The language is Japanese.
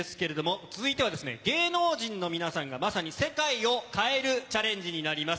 続いては芸能人の皆さんが世界を変えるチャレンジになります。